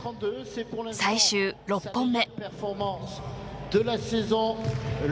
最終６本目。